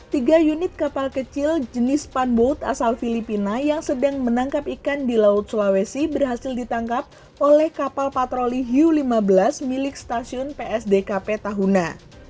tiga unit kapal kecil jenis panboat asal filipina yang sedang menangkap ikan di laut sulawesi berhasil ditangkap oleh kapal patroli hiu lima belas milik stasiun psdkp tahuna